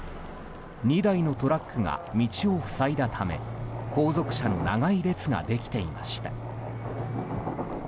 ２台のトラックが道をふさいだため後続車の長い列ができていました。